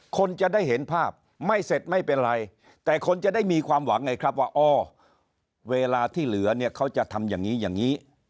คนจะได้เห็นภาพไม่เสร็จไม่เป็นไรแต่คนจะได้มีความหวังไงครับว่าอ๋อเวลาที่เหลือเนี่ยเขาจะทำอย่างนี้อย่างนี้